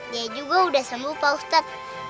dia juga udah sembuh pak ustadz